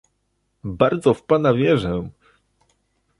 Bardzo w pana wierzę